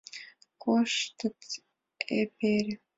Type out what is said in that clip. — Коштыт эпере...